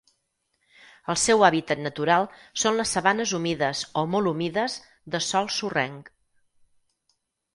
El seu hàbitat natural són les sabanes humides o molt humides de sòl sorrenc.